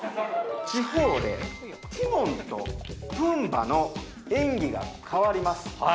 地方でティモンとプンバァの演技が変わります